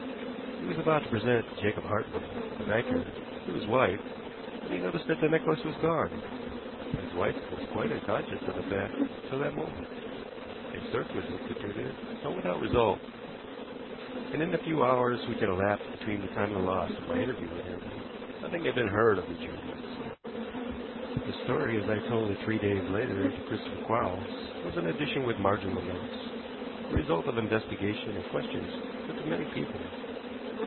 He was about to present Jacob Hartman, the banker, to his wife, when he noticed that the necklace was gone. His wife was quite unconscious of the fact till that moment. A search was instituted, but without result, and in the few hours which had elapsed between the time of the loss and my interview with him nothing had been heard of the jewels. The story, as I told it three days later to Christopher Quarles, was an edition with marginal notes, the result of investigation and questions put to many people.